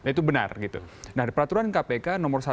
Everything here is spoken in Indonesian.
itu benar nah peraturan kpk nomor